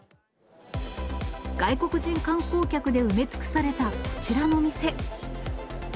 外国人観光客で埋め尽くされたこちらのお店。